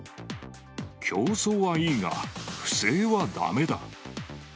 競争はいいが、不正はだめだ。